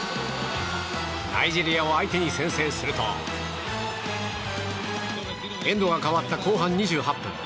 ナイジェリアを相手に先制するとエンドが変わった後半２８分。